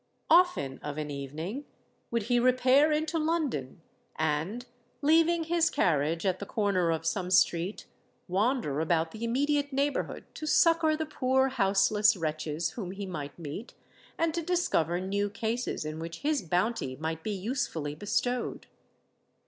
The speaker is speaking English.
Often of an evening, would he repair into London, and, leaving his carriage at the corner of some street, wander about the immediate neighbourhood to succour the poor houseless wretches whom he might meet, and to discover new cases in which his bounty might be usefully bestowed.